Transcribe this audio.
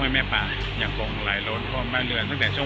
แม่ป่ายังคงไหลล้นท่วมบ้านเรือนตั้งแต่ช่วง